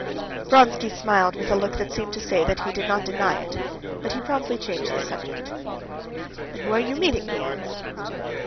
Vronsky smiled with a look that seemed to say that he did not deny it, but he promptly changed the subject. "And whom are you meeting?" he asked.